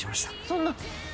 そんな。